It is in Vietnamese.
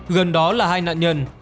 gần đó là hai nạn nhân